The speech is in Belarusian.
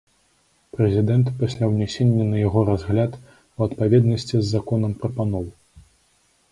Прэзідэнт пасля ўнясення на яго разгляд у адпаведнасці з законам прапаноў.